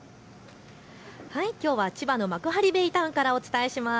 きょうは千葉の幕張ベイタウンからお伝えします。